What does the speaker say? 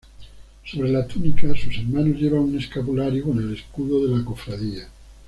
Sobre la túnica sus hermanos llevan un escapulario con el escudo de la cofradía.